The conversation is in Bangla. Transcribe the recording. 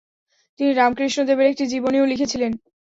তিনি রামকৃষ্ণ দেবের একটি জীবনীও লিখেছিলেন।